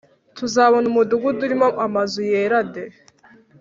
Tuzabona umudugudu urimo amazu yera de